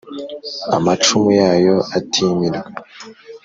Amacumu yayo atimirwa